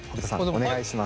お願いします。